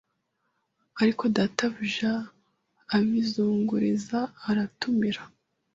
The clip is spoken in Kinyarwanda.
Ariko databuja abizunguriza aratumira